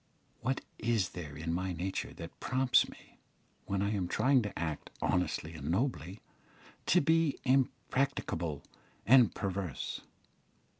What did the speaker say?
What is there in my nature that prompts me, when I am trying to act honestly and nobly, to be impracticable and perverse?